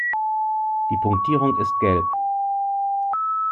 Die Punktierung ist gelb.